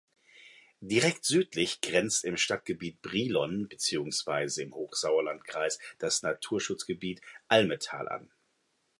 Direkt südlich grenzt im Stadtgebiet Brilon beziehungsweise im Hochsauerlandkreis das Naturschutzgebiet Almetal an.